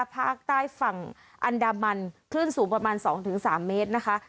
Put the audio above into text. ภาคใต้ฝั่งอันดามันคลื่นสูงประมาณ๒๓เมตรนะคะ